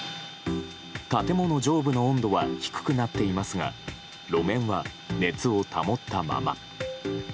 建物上部の温度は低くなっていますが路面は熱を保ったまま。